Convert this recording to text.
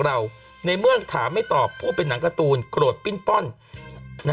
ในเมื่อถามไม่ตอบพูดเป็นหนังการ์ตูนโกรธปิ้นป้อน